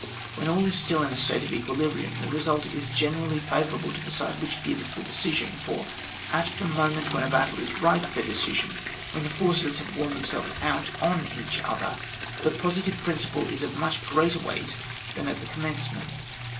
When all is still in a state of equilibrium the result is generally fa vourable to the side which gives the de cision, for at the moment when a battle is ripe for decision, when the forces have worn themselves out on each other, the positive principle is of much greater weight than at the commencement.